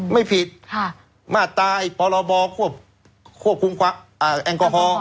ไม่ผิดมาตายปลอบควบคุ้มแองกอคอ